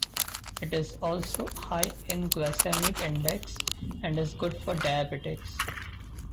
It is also high in glycemic index and is good for diabetics.